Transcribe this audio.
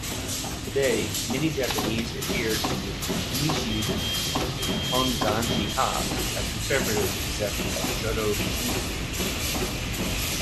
Today, many Japanese adhere to "Nishi Honganji-ha", a conservative sect of Jodo Shinshu.